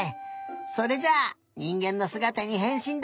それじゃあにんげんのすがたにへんしんだ！